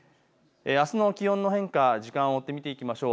あすの気温の変化、時間を追って見ていきましょう。